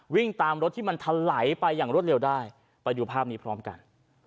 วิ่งตามรถที่มันทะไหลไปอย่างรวดเร็วได้ไปดูภาพนี้พร้อมกัน